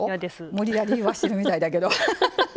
無理やり言わせてるみたいだけど。